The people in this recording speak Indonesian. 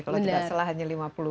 kalau tidak salah hanya lima puluh